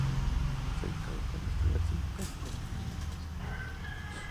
Seis casas fueron destruidas; cinco casas fueron dañadas considerablemente.